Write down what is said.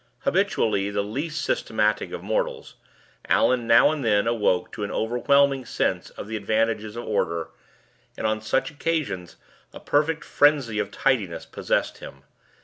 Habitually the least systematic of mortals, Allan now and then awoke to an overwhelming sense of the advantages of order, and on such occasions a perfect frenzy of tidiness possessed him.